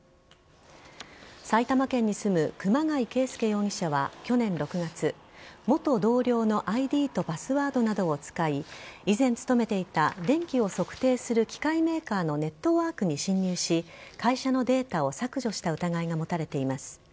埼玉県に住む熊谷けいすけ容疑者は去年６月、元同僚のＩＤとパスワードなどを使い、以前勤めていた電気を測定する機械メーカーのネットワークに侵入し、会社のデータを削除した疑いが持たれています。